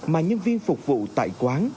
mà nhân viên phục vụ tại quán